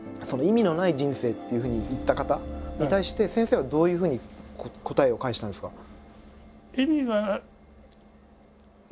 その「意味のない人生」っていうふうに言った方に対して先生はどういうふうに答えを返したんですか？